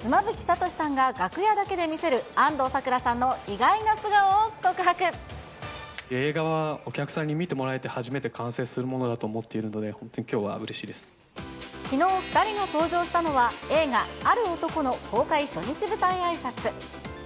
妻夫木聡さんが楽屋だけで見せる、安藤サクラさんの意外な素顔を告映画はお客さんに見てもらえて初めて完成するものだと思っているので、本当にきょうはうれしきのう、２人が登場したのは、映画、ある男の公開初日舞台あいさつ。